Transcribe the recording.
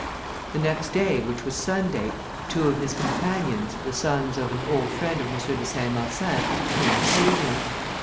The next day, which was Sunday, two of his companions, the sons of an old friend of M. de Saint Marsin, came to see him.